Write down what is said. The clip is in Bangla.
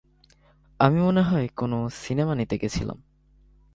আমি মনে হয় কোনো সিনেমা নিতে গেছিলাম।